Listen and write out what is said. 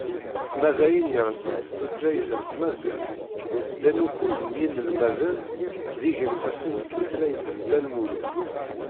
Ma d ayen yerzan tutlayt n tmaziɣt, llan ukuẓ n yinelmaden d igensasen n tutlayt n Dda Lmulud.